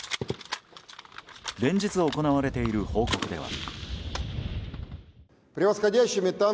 連日行われている報告では。